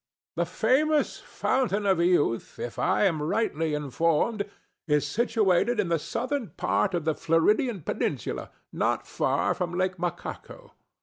The famous Fountain of Youth, if I am rightly informed, is situated in the southern part of the Floridian peninsula, not far from Lake Macaco.